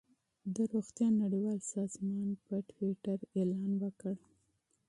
د روغتیا نړیوال سازمان په ټویټر اعلان وکړ.